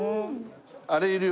あれいるよ。